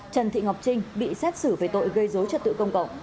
trần thị ngọc trinh bị xét xử về tội gây dối trật tự công cộng